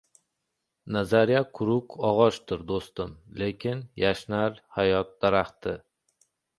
Nazariya quruq og‘ochdir, do‘stim, lekin yashnar hayot daraxti.